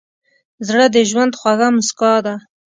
زړه د ژوند خوږه موسکا ده.